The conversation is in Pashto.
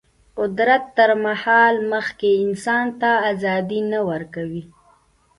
قدرت تر مهار مخکې انسان ته ازادي نه ورکوي.